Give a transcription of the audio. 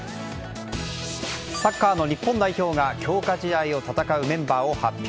サッカーの日本代表が強化試合を戦うメンバーを発表。